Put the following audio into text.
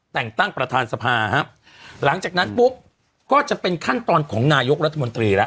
แต่งตั้งประธานสภาครับหลังจากนั้นปุ๊บก็จะเป็นขั้นตอนของนายกรัฐมนตรีแล้ว